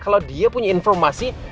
kalau dia punya informasi